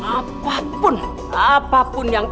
apapun apapun yang